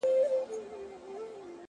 روانه جګړه يوه هدف لري